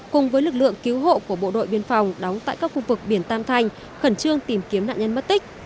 cùng với lực lượng cứu hộ của bộ đội biên phòng đóng tại các khu vực biển tam thanh khẩn trương tìm kiếm nạn nhân mất tích